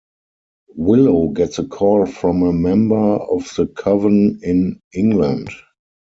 Willow gets a call from a member of the Coven in England.